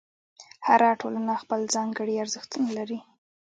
هره ټولنه خپل ځانګړي ارزښتونه لري.